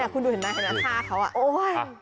คุณดูหน้าท่าเขา